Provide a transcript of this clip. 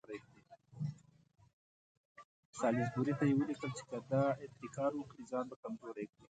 سالیزبوري ته یې ولیکل چې که دا ابتکار وکړي ځان به کمزوری کړي.